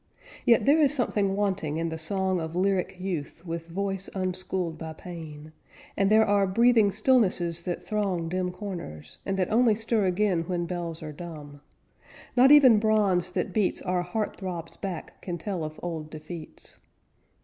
Yet there is something wanting in the song Of lyric youth with voice unschooled by pain. And there are breathing stillnesses that throng Dim corners, and that only stir again When bells are dumb. Not even bronze that beats Our heart throbs back can tell of old defeats.